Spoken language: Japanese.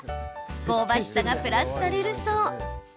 香ばしさがプラスされるそう。